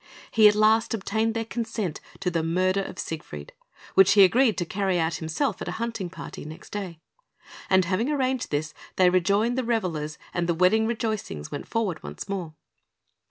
He at last obtained their consent to the murder of Siegfried, which he agreed to carry out himself at a hunting party next day; and having arranged this, they rejoined the revellers, and the wedding rejoicings went forward once more.